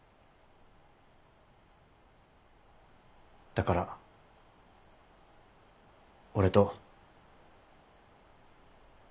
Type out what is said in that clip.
だから俺と。